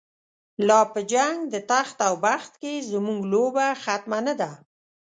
لاپه جنګ دتخت اوبخت کی، زموږ لوبه ختمه نه ده